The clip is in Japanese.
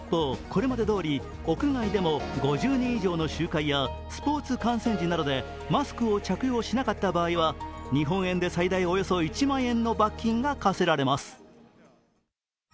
これまでどおり屋外でも５０人以上の集会やスポーツ観戦時などでマスクを着用しなかった場合は日本円で最大およそ１万円の罰金が科せられます。